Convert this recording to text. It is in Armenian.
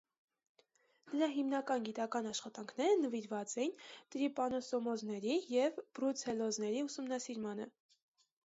Նրա հիմնական գիտական աշխատանքները նվիրված էին տրիպանոսոմոզների և բրուցելոզների ուսումնասիրմանը։